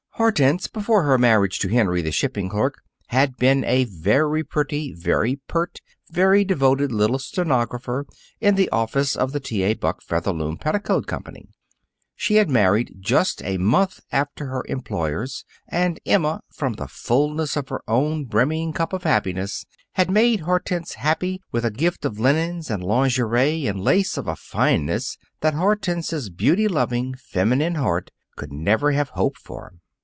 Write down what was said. Hortense, before her marriage to Henry, the shipping clerk, had been a very pretty, very pert, very devoted little stenographer in the office of the T. A. Buck Featherloom Petticoat Company. She had married just a month after her employers, and Emma, from the fulness of her own brimming cup of happiness, had made Hortense happy with a gift of linens and lingerie and lace of a fineness that Hortense's beauty loving, feminine heart could never have hoped for.